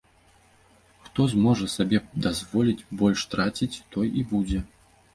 Хто зможа сабе дазволіць больш траціць, той і будзе.